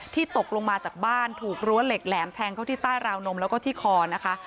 ตกลงมาจากบ้านถูกรั้วเหล็กแหลมแทงเข้าที่ใต้ราวนมแล้วก็ที่คอนะคะ